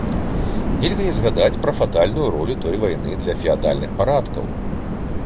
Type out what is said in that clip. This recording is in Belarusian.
Нельга не згадаць пра фатальную ролю той вайны для феадальных парадкаў.